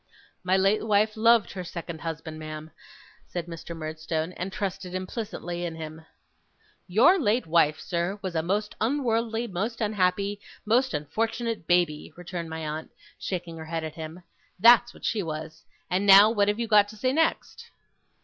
'My late wife loved her second husband, ma'am,' said Mr. Murdstone, 'and trusted implicitly in him.' 'Your late wife, sir, was a most unworldly, most unhappy, most unfortunate baby,' returned my aunt, shaking her head at him. 'That's what she was. And now, what have you got to say next?